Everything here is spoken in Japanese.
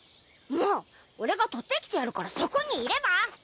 もう俺が取ってきてやるからそこにいれば！